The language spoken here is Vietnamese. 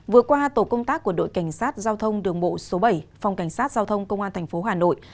vừa qua tổ công tác của đội cảnh sát giao thông đường bộ số bảy phòng cảnh sát giao thông công an tp hà nội